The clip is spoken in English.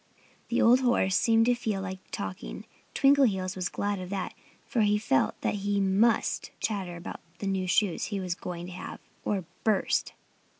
The old horse seemed to feel like talking. Twinkleheels was glad of that, for he felt that he must chatter about the new shoes he was going to have or burst.